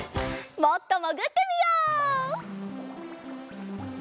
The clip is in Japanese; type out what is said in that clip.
もっともぐってみよう！